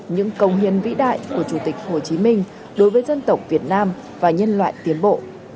những công hiến vĩ đại của chủ tịch hồ chí minh đối với dân tộc việt nam và nhân loại tiến bộ